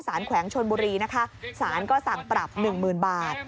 สารแขวงชนบุรีนะคะสารก็สั่งปรับ๑หมื่นบาท